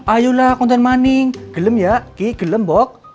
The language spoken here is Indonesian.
ayolah konten mending gelom ya kik gelom bok